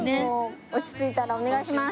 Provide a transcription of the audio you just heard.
落ち着いたらお願いします！